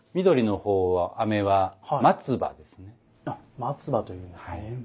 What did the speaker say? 松葉と言うんですね。